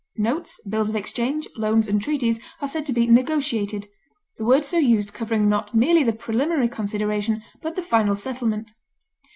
Notes, bills of exchange, loans, and treaties are said to be negotiated, the word so used covering not merely the preliminary consideration, but the final settlement.